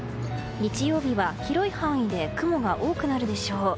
日曜日は広い範囲で雲が多くなるでしょう。